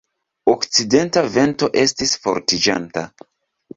Okcidenta vento estis fortiĝanta.